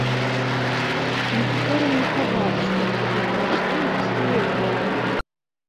Некаторыя не хаваюць, што сюды прыйшлі не па сваёй волі.